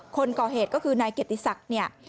คนก่อเหตุก็คือนายเกียรติศักดิ์เนี่ย